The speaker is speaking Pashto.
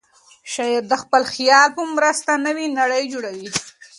شاعر د خپل خیال په مرسته نوې نړۍ جوړوي.